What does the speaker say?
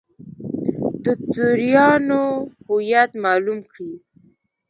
د توریانو هویت معلوم کړي.